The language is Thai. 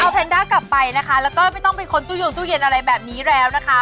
เอาแนนด้ากลับไปนะคะแล้วก็ไม่ต้องไปค้นตู้ยงตู้เย็นอะไรแบบนี้แล้วนะคะ